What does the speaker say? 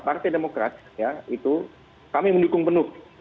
partai demokrat ya itu kami mendukung penuh